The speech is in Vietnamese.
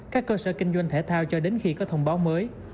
các cơ sở kinh doanh thể thao cho đến khi có thông báo mới